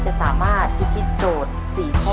จะสามารถที่ชิดโจทย์สี่ข้อ